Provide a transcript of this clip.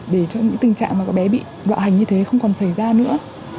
để cho những tình trạng mà các bé bị bạo hành như thế không còn xảy ra nữa